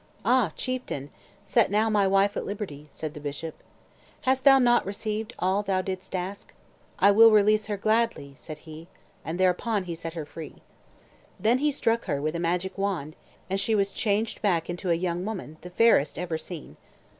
"Ah, chieftain, set now my wife at liberty," said the bishop. "Hast thou not received all thou didst ask?" "I will release her, gladly," said he. And thereupon he set her free. Then he struck her with a magic wand, and she was changed back into a young woman, the fairest ever seen.